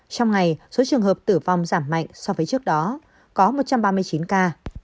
trong ngày số trường hợp tử vong giảm mạnh so với trước đó có một trăm ba mươi chín ca